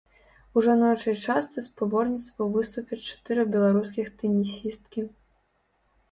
У жаночай частцы спаборніцтваў выступяць чатыры беларускіх тэнісісткі.